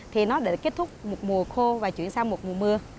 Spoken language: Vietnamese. thì nó đã kết thúc một mùa khô và chuyển sang một mùa mưa